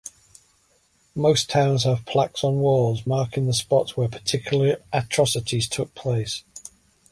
Most towns have plaques on walls marking the spots where particular atrocities took place.